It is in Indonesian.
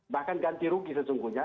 bahkan ganti rugi sesungguhnya